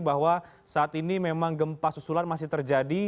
bahwa saat ini memang gempa susulan masih terjadi